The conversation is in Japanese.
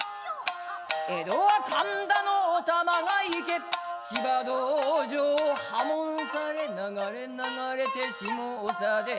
「江戸は神田のお玉が池」「千葉道場を破門され流れ流れて下総で」